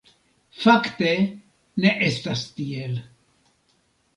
Fakte ne estas tiel.